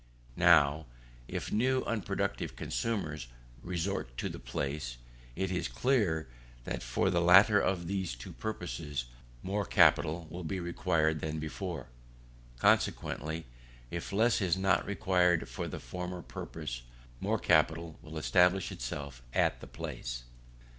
Now, if new unproductive consumers resort to the place, it is clear that for the latter of these two purposes, more capital will be required than before. Consequently, if less is not required for the former purpose, more capital will establish itself at the place.